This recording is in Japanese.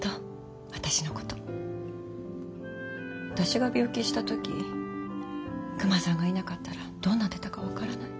私が病気した時クマさんがいなかったらどうなってたか分からない。